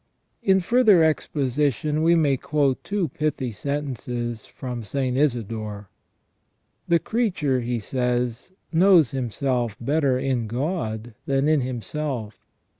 143 In further exposition we may quote two pithy sentences from St. Isidore, " The creature," he says, " knows himself better in God than in himself.